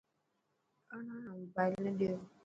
ٻاڙا نا موبائل نه ڏيو.